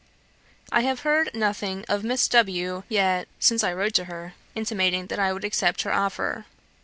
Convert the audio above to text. "I have heard nothing of Miss W yet since I wrote to her, intimating that I would accept her offer.